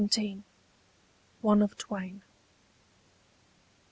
ONE OF TWAIN.